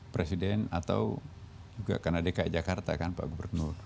presiden atau juga karena dki jakarta kan pak gubernur